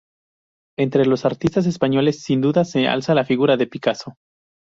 Entre los artistas españoles, sin duda, se alza la figura de Picasso.